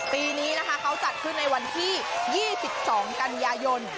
ปีนี้นะคะเขาจัดขึ้นในวันที่๒๒กันยายน